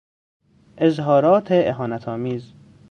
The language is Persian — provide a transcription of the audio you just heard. اظهارات اهانتآمیز